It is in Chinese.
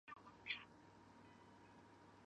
索瓦盖伊。